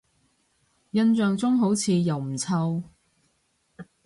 印象中好似又唔臭